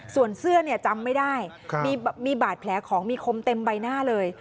ส่วนเสื้อจำไม่ได้มีบาดแผลของมีคมเต็มใบหน้าเลย